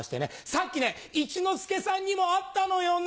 「さっき一之輔さんにも会ったのよね。